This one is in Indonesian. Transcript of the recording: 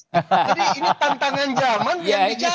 jadi ini tantangan zaman yang dijawab